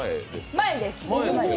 前です。